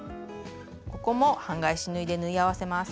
ここも半返し縫いで縫い合わせます。